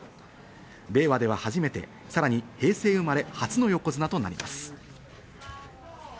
令和では初めて、さらに平成生まれ初の横綱となります。